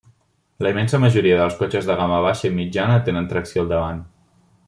La immensa majoria dels cotxes de gamma baixa i mitjana tenen tracció al davant.